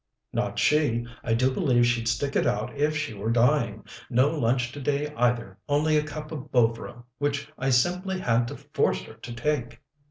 "Not she! I do believe she'd stick it out if she were dying. No lunch today, either, only a cup of Bovril, which I simply had to force her to take."